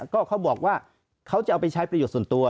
ก็เขาบอกว่าเขาจะเอาไปใช้ประโยชน์ส่วนตัว